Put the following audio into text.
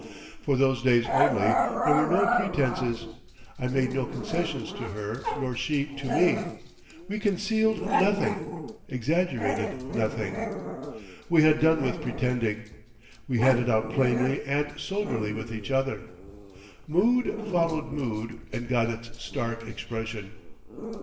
For those days only, there were no pretences, I made no concessions to her nor she to me; we concealed nothing, exaggerated nothing. We had done with pretending. We had it out plainly and soberly with each other. Mood followed mood and got its stark expression.